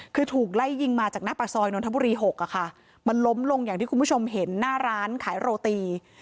คือถูกไล่ยิงมาจากหน้าปากซอยนนทบุรี๖อะค่ะมันล้มลงอย่างที่คุณผู้ชมเห็นหน้าร้านขายโรตี